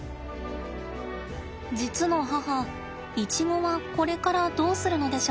実の母イチゴはこれからどうするのでしょうか？